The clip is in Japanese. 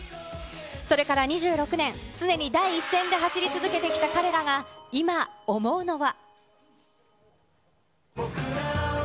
それから２６年、常に第一線で走り続けてきた彼らが、今、思うのは。